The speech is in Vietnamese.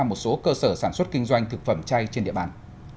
một số cơ sở sản xuất kinh doanh thực phẩm chay trên địa bàn